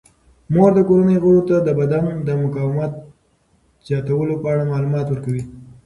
مور د کورنۍ غړو ته د بدن د مقاومت زیاتولو په اړه معلومات ورکوي.